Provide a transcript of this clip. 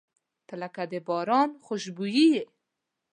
• ته لکه د باران خوشبويي یې.